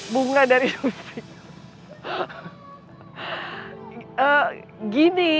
bunga dari victor